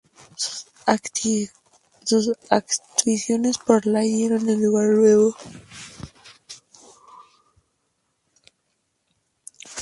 Sus actuaciones para Leigh dieron lugar a nuevas ofertas de trabajo.